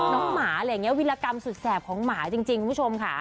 หมาอะไรอย่างนี้วิรากรรมสุดแสบของหมาจริงคุณผู้ชมค่ะ